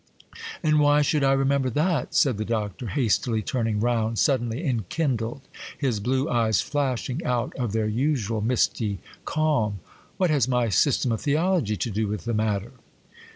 'And why should I remember that?' said the Doctor,—hastily turning round, suddenly enkindled, his blue eyes flashing out of their usual misty calm,—'what has my "System of Theology" to do with the matter?